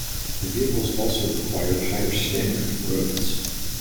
The vehicles also required higher standard of roads.